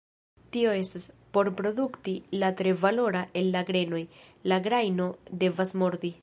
Tio estas, por produkti la tre valora el la grenoj, la grajno devas morti.